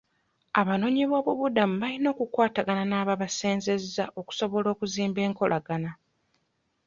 Abanoonyiboobubudamu bayina okukwatagaana n'ababasenzezza okusobola okuzimba ekolagana.